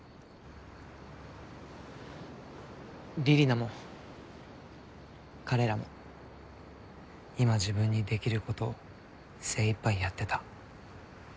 李里奈も彼らも今自分にできることを精いっぱいやってた。